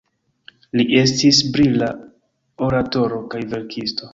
Li estis brila oratoro kaj verkisto.